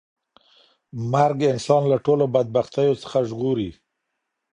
مرګ انسان له ټولو بدبختیو څخه ژغوري.